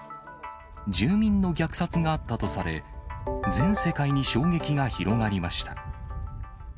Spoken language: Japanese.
住民の虐殺があったとされ、全世界に衝撃が広がりました。